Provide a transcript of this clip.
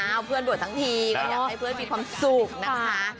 เพื่อนบวชทั้งทีก็อยากให้เพื่อนมีความสุขนะคะ